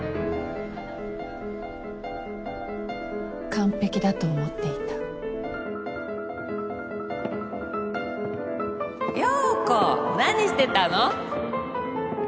完璧だと思っていた陽子何してたの？